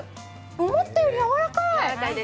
思ったよりやわらかい。